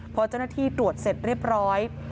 พอเจ้าหน้าที่ตรวจเสร็จเรียบร้อย